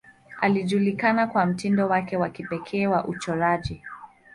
Alijulikana kwa mtindo wake wa kipekee wa uchoraji.